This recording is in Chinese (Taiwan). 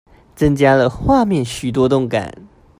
增加了畫面許多動感